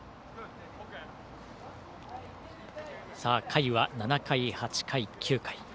回は７回、８回、９回。